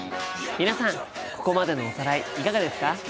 皆さんここまでのおさらいいかがですか？